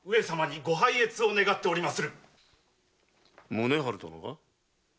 宗春殿が？